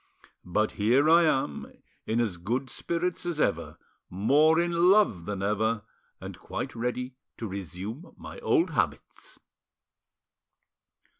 But here I am, in as good spirits as ever, more in love than ever, and quite ready to resume my old habits."